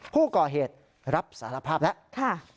ผู้ก่อเหตุรับสารภาพแล้ว